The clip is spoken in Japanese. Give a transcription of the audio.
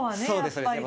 そうですね。